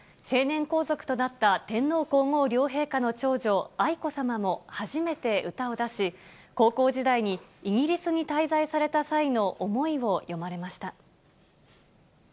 成年皇族となった、天皇皇后両陛下の長女、愛子さまも初めて歌を出し、高校時代にイギリスに滞在された際の思いを詠まれました。